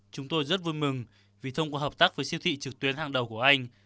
chúng tôi rất vui mừng vì thông qua hợp tác với siêu thị trực tuyến hàng đầu của anh